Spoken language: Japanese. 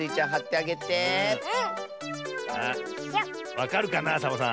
わかるかなサボさん。